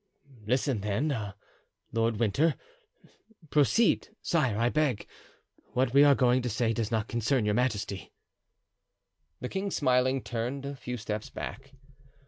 "Listen, then, Lord Winter. Proceed, sire, I beg. What we are going to say does not concern your majesty." The king, smiling, turned a few steps back.